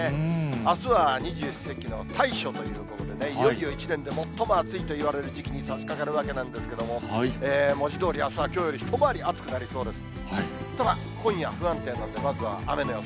あすは二十四節気の大暑ということで、いよいよ一年で最も暑い都いわれる時期にさしかかるわけなんですけれども、文字どおり、あすは一回り暑くなりそうです。